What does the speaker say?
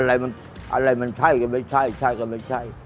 อะไรมันใช่กันไหมใช่กันไม่ใช่